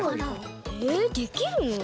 えできるの？